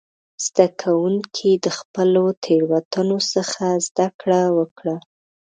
زده کوونکي د خپلو تېروتنو څخه زده کړه وکړه.